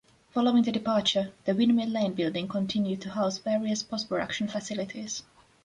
Following the departure, the Windmill Lane building continued to house various post-production facilities.